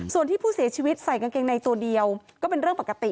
ส่วนที่ผู้เสียชีวิตใส่กางเกงในตัวเดียวก็เป็นเรื่องปกติ